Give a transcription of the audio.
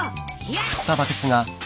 やっ！